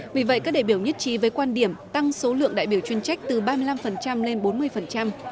vì vậy các đại biểu nhất trí với quan điểm tăng số lượng đại biểu chuyên trách từ ba mươi năm lên bốn mươi